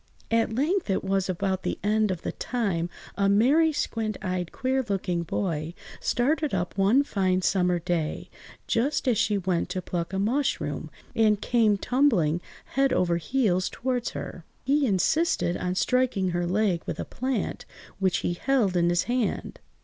At length (it was about the end of the time) a merry, squint–eyed, queer–looking boy started up one fine summer day, just as she went to pluck a mushroom, and came tumbling, head over heels, towards her. He insisted on striking her leg with a plant which he held in his hand.